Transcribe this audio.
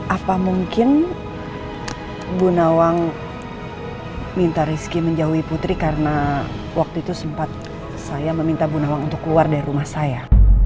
apa mungkin bu nawang minta rizky menjauhi putri karena waktu itu sempat saya meminta bu nawang untuk keluar dari rumah saya